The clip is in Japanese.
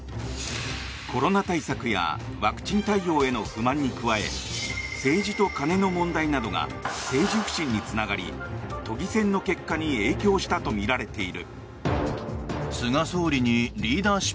コロナ対策やワクチン対応への不満に加え政治と金の問題などが政治不信につながり都議選の結果に影響したとみられている。